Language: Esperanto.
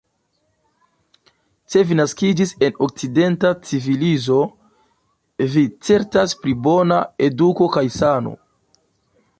Se vi naskiĝis en okcidenta civilizo, vi certas pri bona eduko kaj sano.